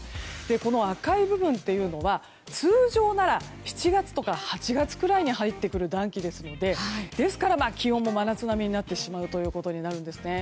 この赤い部分というのは通常なら７月とか８月くらいに入ってくる暖気ですのでですから、気温も真夏並みになってしまうということになるんですね。